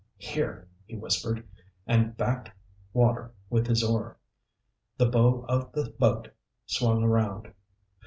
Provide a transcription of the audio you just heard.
"Here," he whispered, and backed water with his oar. The bow of the boat swung around.